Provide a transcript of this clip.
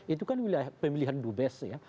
itu kan wilayah pemilihan dubes ya